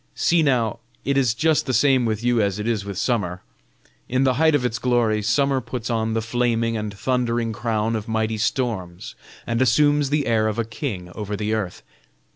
See now, it is just the same with you as it is with summer. In the height of its glory, summer puts on the flaming and thundering crown of mighty storms, and assumes the air of a king over the earth.